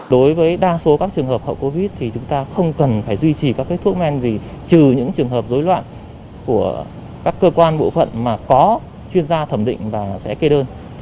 đối với đa số các trường hợp hậu covid thì chúng ta không cần phải duy trì các thuốc men gì trừ những trường hợp dối loạn của các cơ quan bộ phận mà có chuyên gia thẩm định và sẽ kê đơn